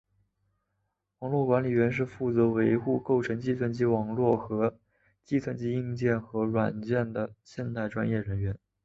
网络管理员是负责维护构成计算机网络的计算机硬件和软件的现代专业人员。